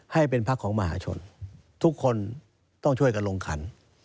ให้เป็นพักของมหาชนทุกคนต้องช่วยกันลงขัน